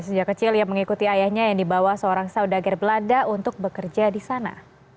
sejak kecil ia mengikuti ayahnya yang dibawa seorang saudager belanda untuk bekerja di sana